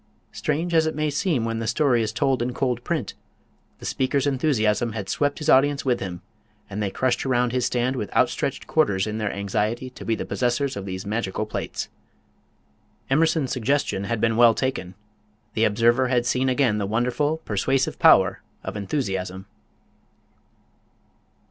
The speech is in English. Strange as it may seem when the story is told in cold print, the speaker's enthusiasm had swept his audience with him, and they crushed around his stand with outstretched "quarters" in their anxiety to be the possessors of these magical plates! Emerson's suggestion had been well taken the observer had seen again the wonderful, persuasive power of enthusiasm!